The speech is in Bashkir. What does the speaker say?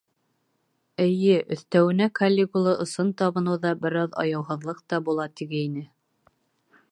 Эйе, өҫтәүенә Калигула ысын табыныуҙа бер аҙ аяуһыҙлыҡ та була, тигәйне.